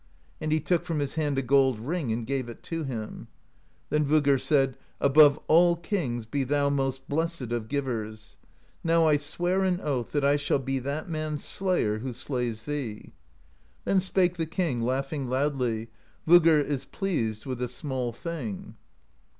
And he took from his hand a gold ring and gave it to him. Then Voggr said: 'Above all kings be thou most blessed of givers ! Now I swear an oath that I shall be that man's slayer who slays thee.' Then spake the king, laugh ing loudly: 'Voggr is pleased with a small thing.'